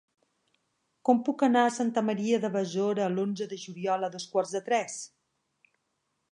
Com puc anar a Santa Maria de Besora l'onze de juliol a dos quarts de tres?